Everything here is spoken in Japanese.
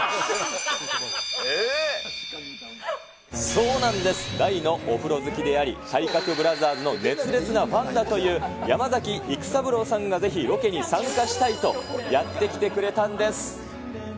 そうなんです、大のお風呂好きであり、体格ブラザーズの熱烈なファンだという、山崎育三郎さんがぜひロケに参加したいとやって来てくれたんです。